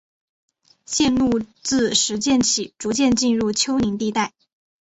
线路自石涧起逐渐进入丘陵地带。